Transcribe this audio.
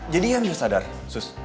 jadi ian sudah sadar sus